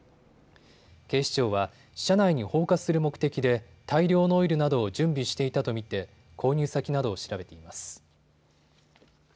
警視庁は車内に放火する目的で大量のオイルなどを準備していたと見て購入先などを調べています。